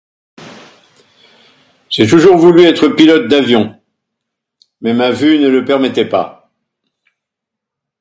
J'ai toujours voulu être pilote d'avion, mais ma vue ne le permettait pas.